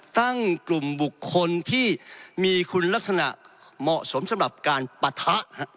กลุ่มบุคคลที่มีคุณลักษณะเหมาะสมสำหรับการปะทะ